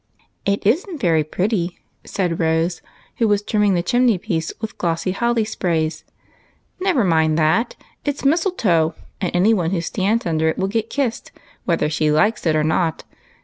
"It isn't very pretty," said Rose, who was trim ming the chimney piece with glossy holly sprays. " Never mind that, it 's mistletoe, and any one who stands under it will get kissed whether they like it or not.